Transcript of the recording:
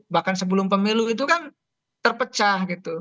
bahkan sebelum pemilu itu kan terpecah gitu